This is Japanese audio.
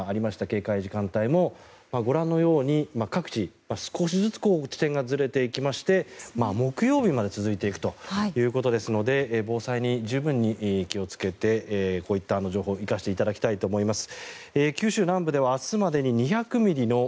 警戒時間帯も、ご覧のように各地、少しずつ地点がずれていきまして木曜日まで続いていくということですので防災に十分に気をつけてこういった情報を生かしていただきたいと思います。